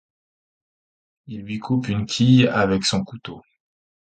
Il lui coupe une quille avec son couteau.